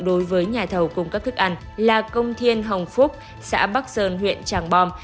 đối với nhà thầu cung cấp thức ăn là công thiên hồng phúc xã bắc sơn huyện tràng bom